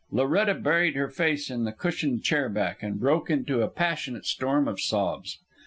Loretta buried her face in the cushioned chair back, and broke into a passionate storm of sobs.